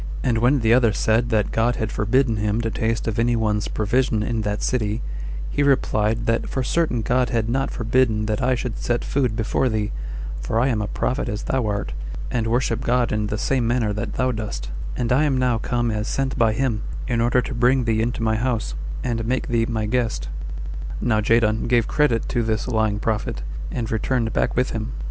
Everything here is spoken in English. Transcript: And when the other said that God had forbidden him to taste of any one's provision in that city, he replied, that "for certain God had not forbidden that I should set food before thee, for I am a prophet as thou art, and worship God in the same manner that thou dost; and I am now come as sent by him, in order to bring thee into my house, and make thee my guest." Now Jadon gave credit to this lying prophet, and returned back with him.